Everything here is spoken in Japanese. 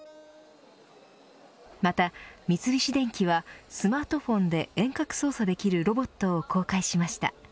また、三菱電機はスマートフォンで遠隔操作できるロボットを公開しました。